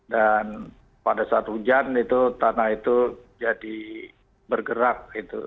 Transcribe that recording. dan pada saat hujan itu tanah itu jadi bergerak